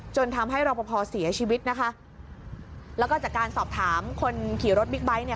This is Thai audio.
จนทำให้รอปภเสียชีวิตนะคะแล้วก็จากการสอบถามคนขี่รถบิ๊กไบท์เนี่ย